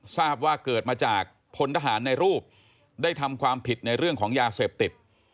ทราบว่าเกิดมาจากพลทหารในรูปได้ทำความผิดในเรื่องของยาเสพติด